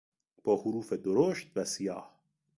با حروف درشت و سیاه